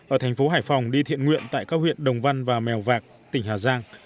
ở thành phố hải phòng đi thiện nguyện tại các huyện đồng văn và mèo vạc tỉnh hà giang